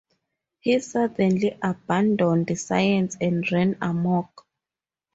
He suddenly abandoned science and ran amok.